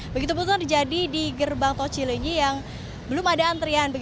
begitu pun terjadi di gerbang tau cilenyi yang belum ada antrian